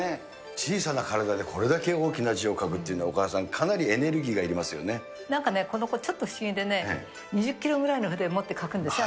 小さな体で、これだけ大きな字を書くっていうのは、お母さん、なんかね、この子、ちょっと不思議でね、２０キロぐらいの筆持って書くんですよね。